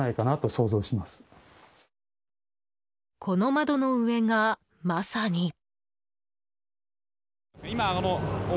この窓の上がまさに。